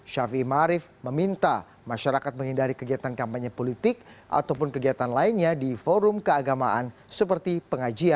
syafii ⁇ marif meminta masyarakat menghindari kegiatan kampanye politik ataupun kegiatan lainnya di forum keagamaan seperti pengajian